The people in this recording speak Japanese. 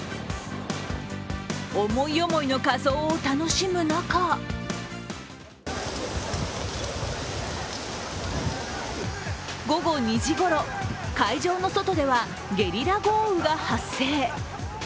思い思いの仮装を楽しむ中午後２時ごろ、会場の外ではゲリラ豪雨が発生。